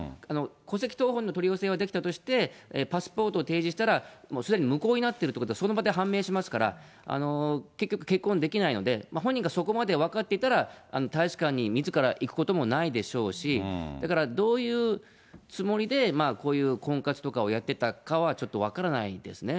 戸籍謄本の取り寄せはできたとして、パスポートを提示したら、すでに無効になっているということが、その場で判明しますから、結局結婚できないので、本人がそこまで分かっていたら、大使館にみずから行くこともないでしょうし、だからどういうつもりでこういう婚活とかをやってたかは、ちょっと分からないですね。